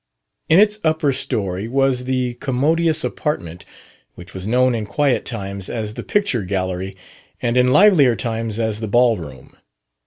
In its upper story was the commodious apartment which was known in quiet times as the picture gallery and in livelier times as the ball room.